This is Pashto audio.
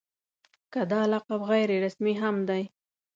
که دا لقب غیر رسمي هم دی.